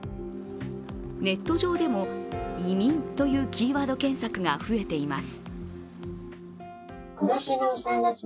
ネット上でも移民というキーワード検索が増えています。